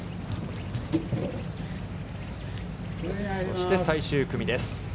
そして最終組です。